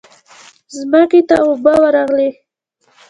ځمکې ته اوبه ورغلې.